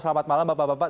selamat malam bapak bapak